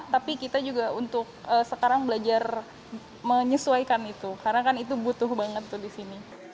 tapi kita juga untuk sekarang belajar menyesuaikan itu karena kan itu butuh banget tuh di sini